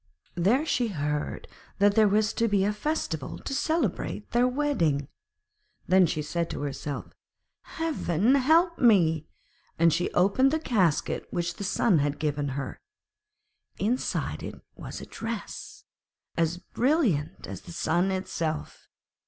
There she heard that there was to be a festival to celebrate their wedding. Then she said to herself, 'Heaven help me,' and she opened the casket which the Sun had given her; inside it was a dress, as brilliant as the Sun itself.